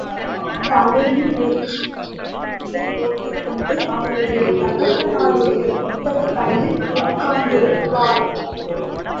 தலையில் ஒரு சின்ன முக்காட்டைப் போட்டுக் கொண்டு அவளுடைய தகப்பனாருடைய புத்தகக் கடையில் உட்கார்ந்திருப்பாள்.